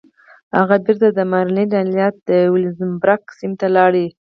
هغه بېرته د ماريلنډ ايالت د ويلمزبرګ سيمې ته لاړ.